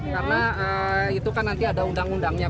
karena itu kan nanti ada undang undangnya